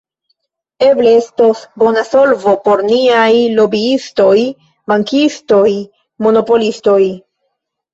Eble estos bona solvo por niaj lobiistoj, bankistoj, monopolistoj.